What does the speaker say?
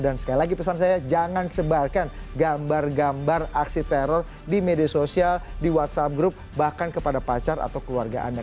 dan sekali lagi pesan saya jangan sebarkan gambar gambar aksi teror di media sosial di whatsapp group bahkan kepada pacar atau keluarga anda